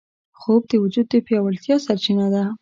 خوب د وجود د پیاوړتیا سرچینه ده